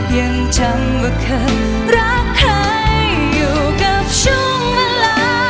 ยังจำว่าเคยรักใครอยู่กับช่วงเวลา